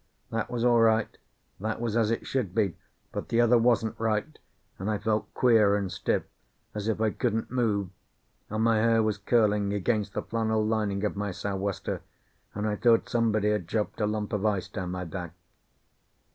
That was all right, that was as it should be; but the other wasn't right; and I felt queer and stiff, as if I couldn't move, and my hair was curling against the flannel lining of my sou'wester, and I thought somebody had dropped a lump of ice down my back.